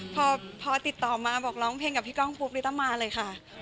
พอติดต่อมาบอกร้องเพลงกับพี่ก้องปุ๊บลิต้ามาเลยค่ะ